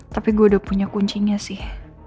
tapi gue udah punya kuncinya sih